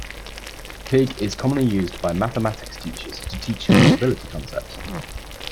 Pig is commonly used by mathematics teachers to teach probability concepts.